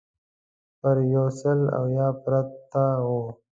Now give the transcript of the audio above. پر یو سل اویا پرته وه.